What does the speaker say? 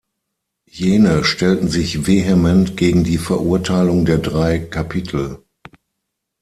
Jene stellten sich vehement gegen die Verurteilung der Drei Kapitel.